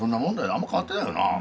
あんま変わってないよな。